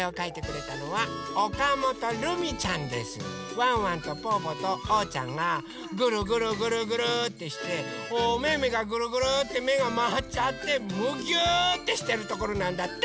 ワンワンとぽぅぽとおうちゃんがぐるぐるぐるぐるってしておめめがぐるぐるってめがまわっちゃってむぎゅってしてるところなんだって。